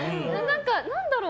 何だろう。